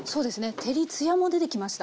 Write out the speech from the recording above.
照り艶も出てきました。